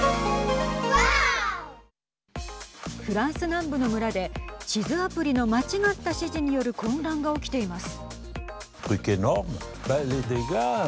フランス南部の村で地図アプリの間違った指示による混乱が起きています。